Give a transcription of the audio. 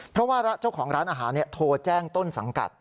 เพราะว่าเจ้าของร้านอาหารโทรแจ้งต้นสังกัด